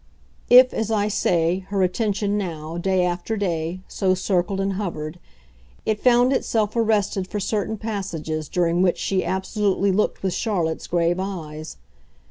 If, as I say, her attention now, day after day, so circled and hovered, it found itself arrested for certain passages during which she absolutely looked with Charlotte's grave eyes.